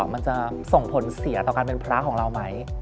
มันจะส่งผลเสียต่อการเป็นพระของเราไหม